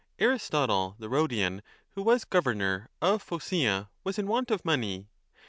Aristotle, the Rhodian, who was governor of Phocaea, 35 was in want of money.